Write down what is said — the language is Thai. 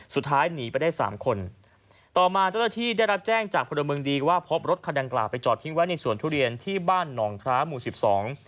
สุดท้ายหนีไปได้สามคนต่อมาเจ้าหน้าที่ได้รับแจ้งจากพลเมืองดีว่าพบรถคันดังกล่าวไปจอดทิ้งไว้ในสวนทุเรียนที่บ้านหนองคล้าหมู่สิบสอง